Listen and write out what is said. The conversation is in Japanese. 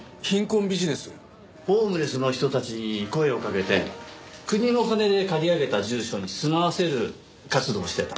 ホームレスの人たちに声をかけて国のお金で借り上げた住所に住まわせる活動をしてた。